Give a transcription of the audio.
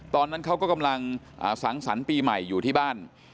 ตอนนั้นเขาก็กำลังสังสรรค์ปีใหม่อยู่ที่บ้าน